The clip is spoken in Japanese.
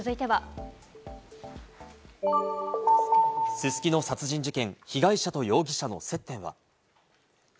すすきの殺人事件、被害者と容疑者の接点は？